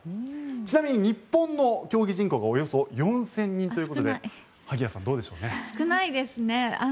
ちなみに日本の競技人口はおよそ４０００人ということで少ないですね。